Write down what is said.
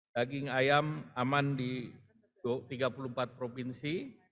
daging ayam aman di tiga puluh empat provinsi